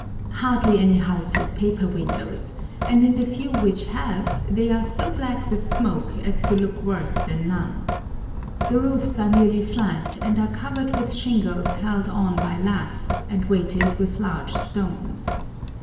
Hardly any house has paper windows, and in the few which have, they are so black with smoke as to look worse than none. The roofs are nearly flat, and are covered with shingles held on by laths and weighted with large stones.